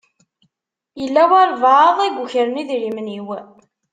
Yella walebɛaḍ i yukren idrimen-iw.